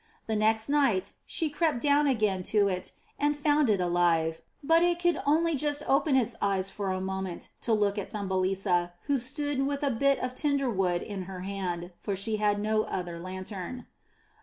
The next night she crept down again to it and found it alive but 423 MY BOOK HOUSE it could only just open its eyes for a moment to look at Thumbelisa who stood with a bit of tinder wood in her hand, for she had no other lantern.